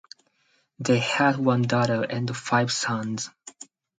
They had one daughter and five sons.